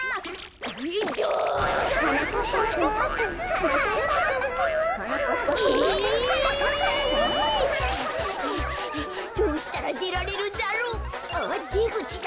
はあはあどうしたらでられるんだろう？あっでぐちだ。